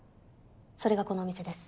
それがこのお店です。